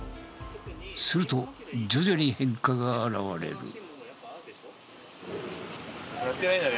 すると徐々に変化が現れる。